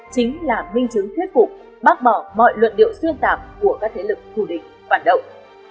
chính là minh chứng thiết cục bác bỏ mọi luận điệu xuyên tạp của các thế lực thủ địch hoạt động